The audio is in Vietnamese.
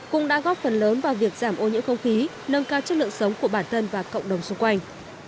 cũng đã góp phần lớn vào việc giảm ô nhiễm không khí nâng cao chất lượng sống của bản thân và cộng đồng xung quanh